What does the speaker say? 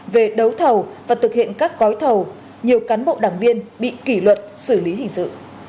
về đấu thầu và thực hiện các gói thầu nhiều cán bộ đảng viên bị kỷ luật xử lý hình sự